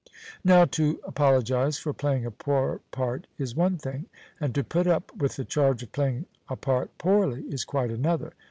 Now to apologize for playing a poor part is one thing, and to put up with the charge of playing a part poorly is quite another.